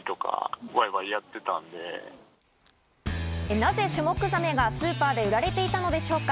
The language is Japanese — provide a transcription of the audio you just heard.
なぜシュモクザメがスーパーで売られていたのでしょうか？